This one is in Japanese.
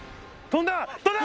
飛んだ！